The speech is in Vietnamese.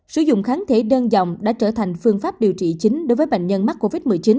sử dụng kháng thể đơn dòng đã trở thành phương pháp điều trị chính đối với bệnh nhân mắc covid một mươi chín